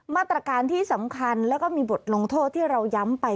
มาตรการที่สำคัญแล้วก็มีบทลงโทษที่เราย้ำไป